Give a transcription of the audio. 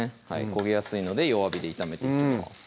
焦げやすいので弱火で炒めていきます